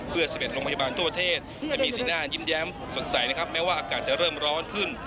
เพื่อ๑๑โรงพยาบาลทั่วประเทศให้มีสีหน้ายิ้มแย้มสดใสนะครับแม้ว่าอากาศจะเริ่มร้อนขึ้น